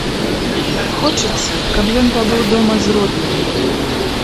Хочацца, каб ён пабыў дома з роднымі.